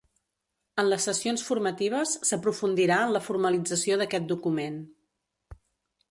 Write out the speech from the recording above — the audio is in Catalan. En les sessions formatives s'aprofundirà en la formalització d'aquest document.